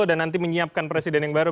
dan nanti menyiapkan presiden yang baru